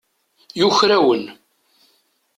Yuker-awen.